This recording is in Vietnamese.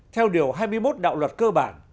theo điều hai mươi một đạo luật cơ bản